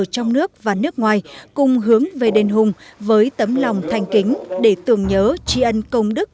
trong nước và nước ngoài cùng hướng về đền hùng với tấm lòng thanh kính để tưởng nhớ tri ân công đức